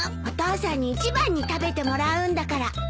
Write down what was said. お父さんに一番に食べてもらうんだから。